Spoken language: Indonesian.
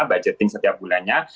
budgeting setiap bulannya